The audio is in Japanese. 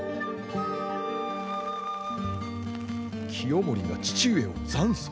清盛が父上を讒訴？